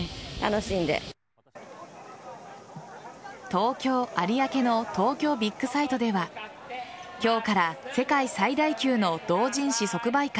東京・有明の東京ビッグサイトでは今日から世界最大級の同人誌即売会